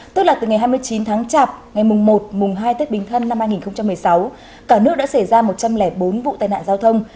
tức là từ ngày hai mươi chín tháng chạp ngày mùng một mùng hai tết bình thân năm hai nghìn một mươi sáu cả nước đã xảy ra một trăm linh bốn vụ tai nạn giao thông